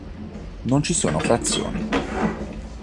Non ci sono frazioni.